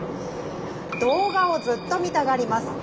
「動画をずっと見たがります。